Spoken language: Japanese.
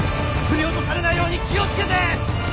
振り落とされないように気をつけて！